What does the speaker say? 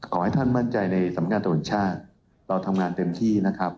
ขอให้ท่านมั่นใจในสัมพันธ์การตะวันชาติเราทำงานเต็มที่นะครับ